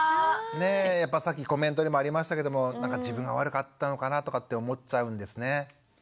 ねえやっぱさっきコメントでもありましたけども自分が悪かったのかなとかって思っちゃうんですね。